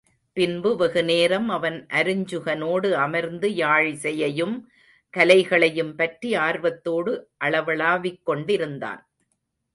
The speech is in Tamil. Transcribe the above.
பின்பு வெகுநேரம் அவன் அருஞ்சுகனோடு அமர்ந்து, யாழிசையையும் கலைகளையும் பற்றி ஆர்வத்தோடு அளவளாவிக் கொண்டிருந்தான்.